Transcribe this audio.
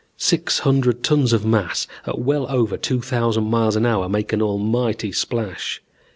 Six hundred tons of mass at well over two thousand miles an hour make an almighty splash.